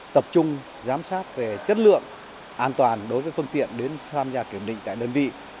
tập trung giám sát về chất lượng an toàn đối với phương tiện đến tham gia kiểm định tại đơn vị